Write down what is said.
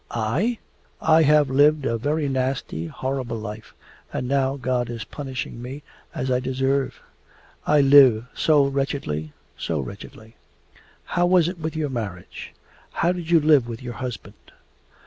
'I? I have lived a very nasty, horrible life, and now God is punishing me as I deserve. I live so wretchedly, so wretchedly...' 'How was it with your marriage? How did you live with your husband?